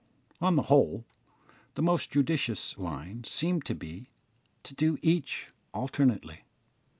On the whole, the most judicious line seemed to be to do each alternately.